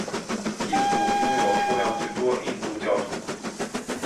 印度拥有数量最多印度教徒。